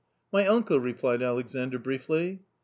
" My uncle !" replied Alexandr, briefly.